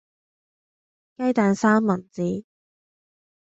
雞蛋三文治